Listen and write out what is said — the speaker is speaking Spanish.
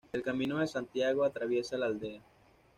El camino de Santiago atraviesa la aldea.